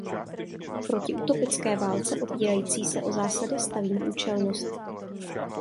Proti utopické válce opírající se o zásady stavím účelnost.